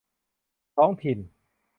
ท้องถิ่น